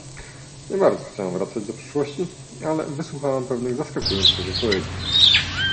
Nie bardzo chciałam wracać do przeszłości, ale wysłuchałam pewnych zaskakujących wypowiedzi